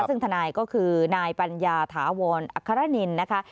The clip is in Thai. ซึ่งทนายก็คือนายปัญญาถาวรอัครนินนะคะ